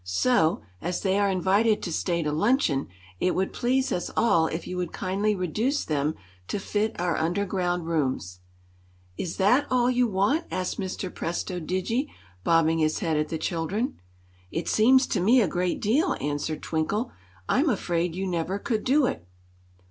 So, as they are invited to stay to luncheon, it would please us all if you would kindly reduce them to fit our underground rooms." "Is that all you want?" asked Mr. Presto Digi, bobbing his head at the children. "It seems to me a great deal," answered Twinkle. "I'm afraid you never could do it."